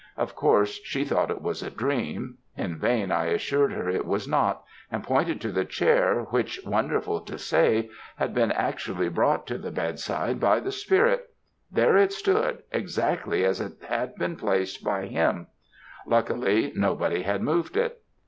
Of course, she thought it was a dream; in vain I assured her it was not, and pointed to the chair which, wonderful to say, had been actually brought to the bedside by the spirit there it stood exactly as it had been placed by him; luckily nobody had moved it.